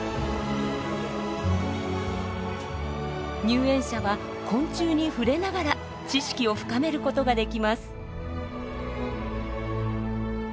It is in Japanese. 入園者は昆虫に触れながら知識を深めることができます。